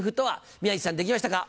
宮治さんできましたか？